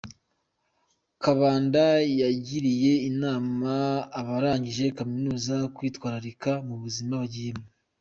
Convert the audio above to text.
Kabanda yagiriye inama abarangije Kaminuza kwitwararika mu buzima bagiyemo.